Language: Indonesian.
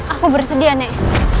aku bersedia nek